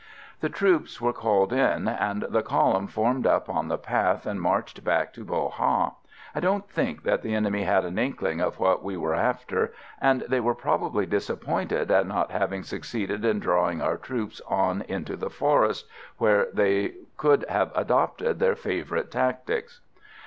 "The troops were called in, and the column formed up on the path and marched back to Bo Ha. I don't think the enemy had an inkling of what we were after, and they were probably disappointed at not having succeeded in drawing our troops on into the forest, where they could have adopted their favourite tactics.